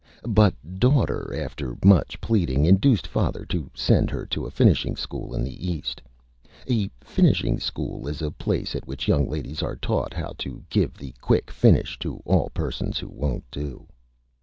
[Illustration: IN THE EAST] But Daughter, after much Pleading, induced Father to send her to a Finishing School in the East. (A Finishing School is a Place at which Young Ladies are taught how to give the Quick Finish to all Persons who won't do.)